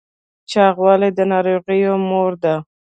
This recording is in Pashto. چاغوالی د ناروغیو مور ده